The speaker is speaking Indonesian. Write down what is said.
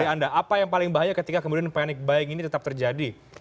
bagi anda apa yang paling bahaya ketika kemudian panic buying ini tetap terjadi